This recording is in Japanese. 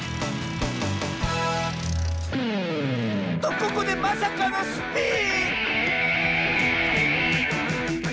とここでまさかのスピン！